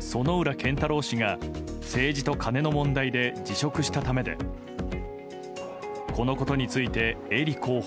薗浦健太郎氏が政治とカネの問題で辞職したためでこのことについて英利候補は。